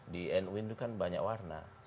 di nu itu kan banyak warna